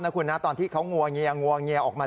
จริงมันครับตอนที่เขางัวเงียงงัวเงียงออกมา